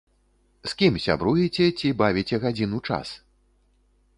З кім сябруеце, ці бавіце гадзіну час?